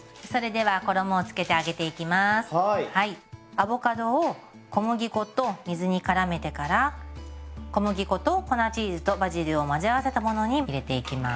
アボカドを小麦粉と水にからめてから小麦粉と粉チーズとバジルを混ぜ合わせたものに入れていきます。